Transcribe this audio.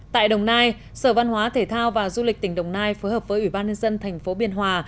tại đồng nai sở văn hóa thể thao và du lịch tỉnh đồng nai phối hợp với ủy ban nhân dân thành phố biên hòa